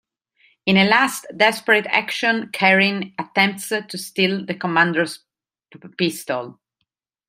In a last desperate action Karin attempts to steal the commander's pistol.